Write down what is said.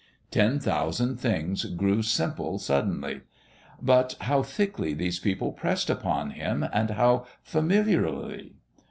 Ten thousand things grew simple suddenly. But, how thickly these people pressed about him, and how familiarly!